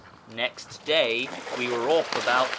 Next day we were off about 5.